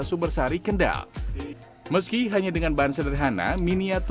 sebagai santri kita juga bukan hanya bisa mengaji